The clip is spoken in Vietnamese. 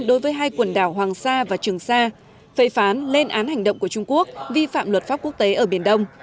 đối với hai quần đảo hoàng sa và trường sa phệ phán lên án hành động của trung quốc vi phạm luật pháp quốc tế ở biển đông